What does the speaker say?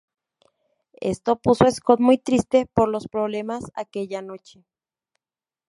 Esto puso a Scott muy triste por los problemas aquella noche.